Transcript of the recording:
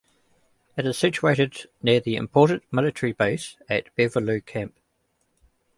It is situated near the important military base at Beverloo Camp.